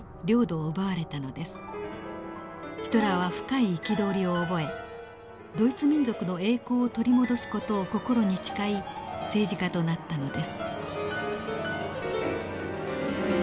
ヒトラーは深い憤りを覚えドイツ民族の栄光を取り戻す事を心に誓い政治家となったのです。